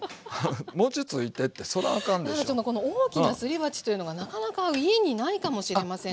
この大きなすり鉢というのがなかなか家にないかもしれませんが。